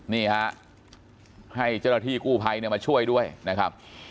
นี่ฮะให้เจ้าหน้าที่กู้ภัยมาช่วยด้วยนะครับ